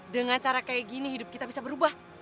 dengan cara kayak gini hidup kita bisa berubah